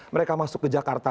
mereka masuk ke jakarta